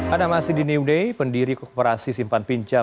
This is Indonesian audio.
anak masih di new day pendiri koperasi simpan pinjam